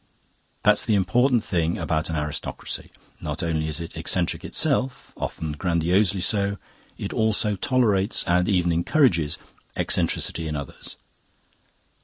That's the important thing about an aristocracy. Not only is it eccentric itself often grandiosely so; it also tolerates and even encourages eccentricity in others.